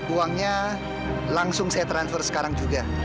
uangnya langsung saya transfer sekarang juga